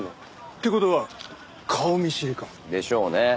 って事は顔見知りか？でしょうね。